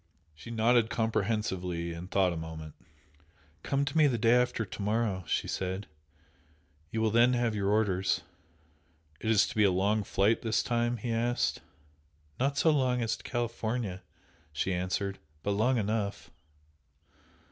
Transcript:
She nodded comprehensively, and thought a moment. "Come to me the day after to morrow" she said "You will then have your orders." "Is it to be a long flight this time?" he asked. "Not so long as to California!" she answered "But long enough!"